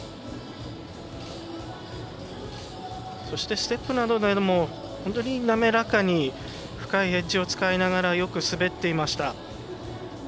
そして、ステップなども本当に滑らかに深いエッジを使いながらよく滑っていました。